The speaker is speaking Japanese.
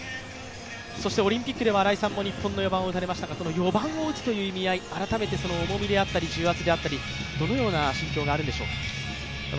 そしてオリンピックでは新井さんも日本の４番を打たれましたが、この４番を打つという意味合いや重圧、どのような心境があるんでしょう。